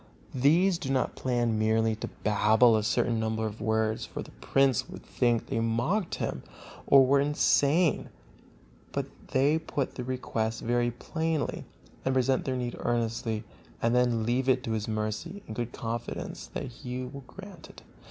These do not plan merely to babble a certain number of words, for the prince would think they mocked him, or were insane; but they put their request very plainly, and present their need earnestly, and then leave it to his mercy, in good confidence that he will grant it.